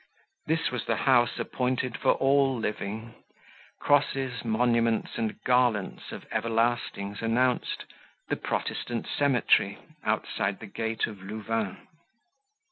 This was the house appointed for all living; crosses, monuments, and garlands of everlastings announced, "The Protestant Cemetery, outside the gate of Louvain."